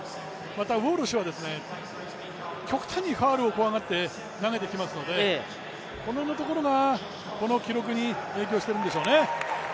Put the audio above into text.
またウォルシュは、極端にファウルを怖がって投げてきますのでこの辺のところが記録に影響しているんでしょうね。